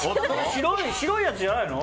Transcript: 白いやつじゃないの？